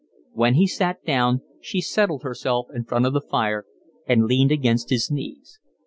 When he sat down she settled herself in front of the fire and leaned against his knees.